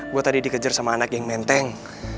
gue tadi dikejar sama anak yang menteng